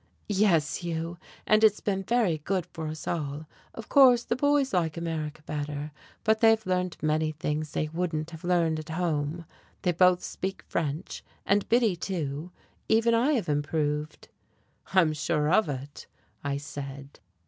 "Yes, Hugh, and it's been very good for us all. Of course the boys like America better, but they've learned many things they wouldn't have learned at home; they both speak French, and Biddy too. Even I have improved." "I'm sure of it," I said.